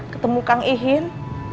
ketemu kang ihin